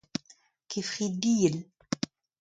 kefridiel